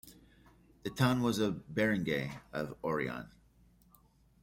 The town was a barangay of Orion.